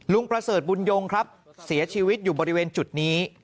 ประเสริฐบุญยงครับเสียชีวิตอยู่บริเวณจุดนี้